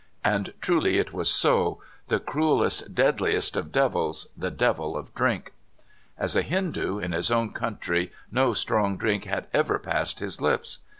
And truly it was so — the crudest, deadliest of devils, the devil of drink! As a Hindoo, in his own countr}^ no strong drink had ever passed his lips.